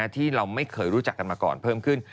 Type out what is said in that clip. ที่เราไม่เคยรู้จักกันมาก่อนเพิ่มขึ้น